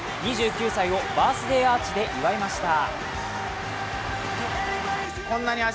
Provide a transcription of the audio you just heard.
２９歳をバースデーアーチで祝いました。